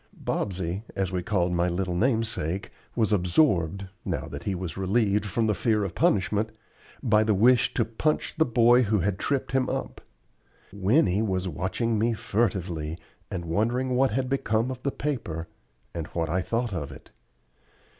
Bobsey, as we called my little namesake, was absorbed now that he was relieved from the fear of punishment by the wish to "punch" the boy who had tripped him up. Winnie was watching me furtively, and wondering what had become of the paper, and what I thought of it.